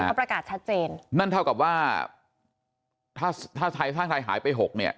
เขาประกาศชัดเจนนั่นเท่ากับว่าถ้าถ้าไทยสร้างไทยหายไปหกเนี่ย